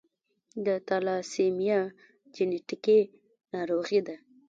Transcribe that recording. د تالاسیمیا جینیټیکي ناروغي ده.